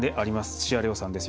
土屋礼央さんです。